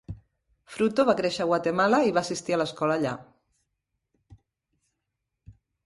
Fruto va créixer a Guatemala i va assistir a l'escola allà.